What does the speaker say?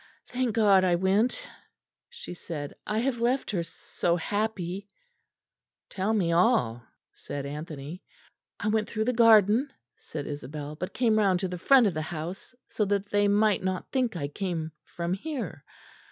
"Thank God I went," she said. "I have left her so happy." "Tell me all," said Anthony. "I went through the garden," said Isabel, "but came round to the front of the house so that they might not think I came from here.